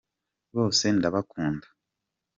bose ndabakunda.